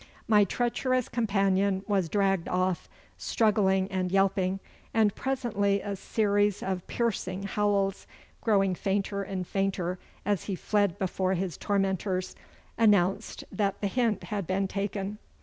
My treacherous companion was dragged off, struggling and yelping, and presently a series of piercing howls, growing fainter and fainter as he fled before his tormentors, announced that the hint had been taken.